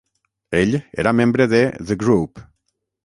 Ell era membre de The Group.